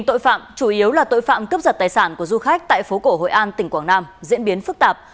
tội phạm cướp giật tài sản của du khách tại phố cổ hội an tỉnh quảng nam diễn biến phức tạp